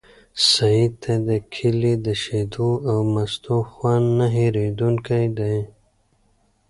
سعید ته د کلي د شیدو او مستو خوند نه هېرېدونکی دی.